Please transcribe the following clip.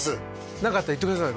何かあったら言ってください